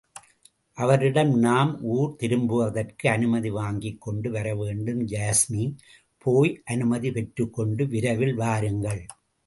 அவரிடம் நாம் ஊர் திரும்புவதற்கு அனுமதி வாங்கிக் கொண்டு வரவேண்டும் யாஸ்மி! போய் அனுமதி பெற்றுக்கொண்டு விரைவில் வாருங்கள்!